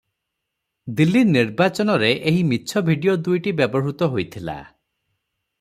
ଦିଲ୍ଲୀ ନିର୍ବାଚନରେ ଏହି ମିଛ ଭିଡ଼ିଓ ଦୁଇଟି ବ୍ୟବହୃତ ହୋଇଥିଲା ।